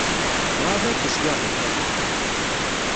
Werɛad ur tezdiɣ deg Friḥa.